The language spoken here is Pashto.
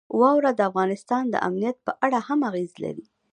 واوره د افغانستان د امنیت په اړه هم اغېز لري.